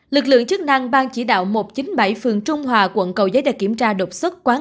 lực lượng chức năng bang chỉ đạo một trăm chín mươi bảy phường trung hòa quận cầu giấy đã kiểm tra đột xuất quán